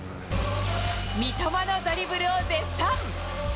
三笘のドリブルを絶賛。